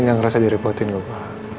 saya gak ngerasa direpotin kau pak